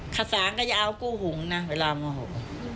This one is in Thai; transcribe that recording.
ขสานก็อย่าเอากู้หุงนะเวลามันมะหู